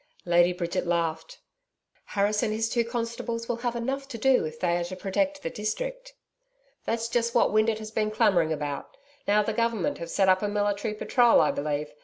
Lady Bridget laughed. 'Harris and his two constables will have enough to do if they are to protect the district.' 'That's just what Windeatt has been clamouring about. Now the Government have sent up a military patrol, I believe.